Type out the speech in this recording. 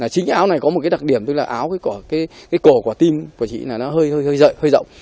chính áo này có một đặc điểm tức là cổ quả tim của chị hơi rợi hơi rộng